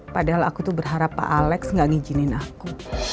padahal aku tuh berharap pak alex gak ngizinin aku